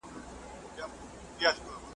د غونډیو لوړي څوکي او جګ غرونه .